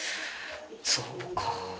そうかぁ。